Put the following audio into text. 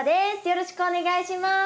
よろしくお願いします。